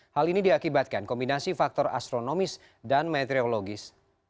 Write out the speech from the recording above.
hal ini diakibatkan kombinasi faktor astronomis dan meteorologis